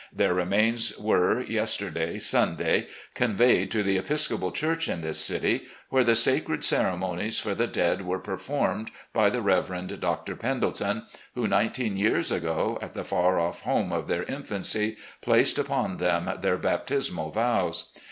Their remains were, yesterday, Sunday, conveyed to the Episcopal church in this dty, where the sacred ceremonies for the dead were performed, by the 29 » RECOLLECTIONS OF GENERAL LEE Reverend Dr. Pendleton, who nineteen years ago, at the far off home of their irifancy, placed upon them their baptismal vows.